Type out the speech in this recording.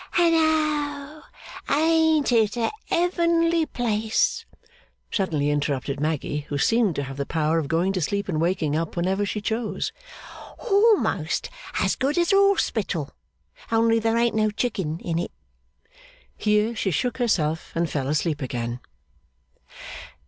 'And oh ain't it a Ev'nly place,' suddenly interrupted Maggy, who seemed to have the power of going to sleep and waking up whenever she chose. 'Almost as good as a hospital. Only there ain't no Chicking in it.' Here she shook herself, and fell asleep again.